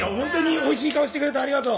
おいしい顔してくれてありがとう。